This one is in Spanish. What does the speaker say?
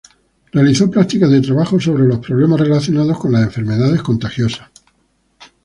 Realizó prácticas de trabajo sobre los problemas relacionados con las enfermedades contagiosas.